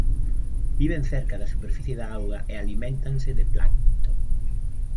Viven cerca da superficie da agua e aliméntanse de plancto.